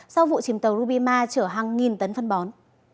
sau vụ chìm tàu rubima chở hàng nghìn tấn phân bó